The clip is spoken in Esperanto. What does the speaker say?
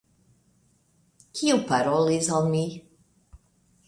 Kiu parolis al mi?